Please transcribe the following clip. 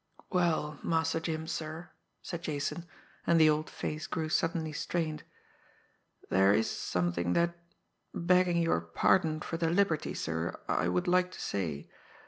"Well, Master Jim, sir," said Jason, and the old face grew suddenly strained, "there is something that, begging your pardon for the liberty, sir, I would like to say.